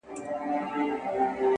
اخلاص د کردار رښتینولی څرګندوي